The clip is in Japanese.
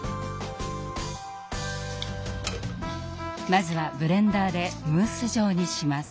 まずはブレンダーでムース状にします。